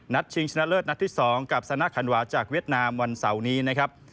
ชิงชนะเลิศนัดที่๒กับสนะขันหวาจากเวียดนามวันเสาร์นี้นะครับ